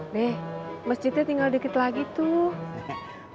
deh masjidnya tinggal deket lagi tuh